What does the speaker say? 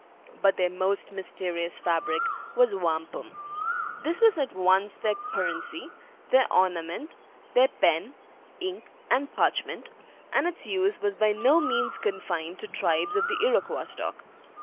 But their most mysterious fabric was wampum. This was at once their currency, their ornament, their pen, ink, and parchment; and its use was by no means confined to tribes of the Iroquois stock.